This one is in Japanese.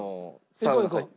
行こう行こう。